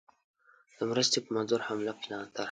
د مرستي په منظور حمله پلان طرح کړ.